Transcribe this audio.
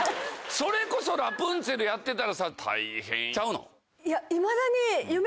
それこそラプンツェルやってたら大変ちゃうの？